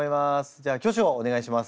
じゃあ挙手をお願いします。